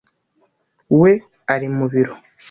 we ari mu biro.